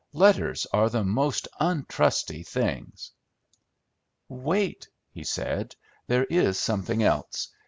Letters are the most untrusty things!" "Wait," he said. "There is something else.